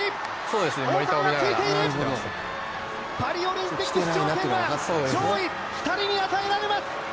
パリオリンピック行きは上位２人に与えられます。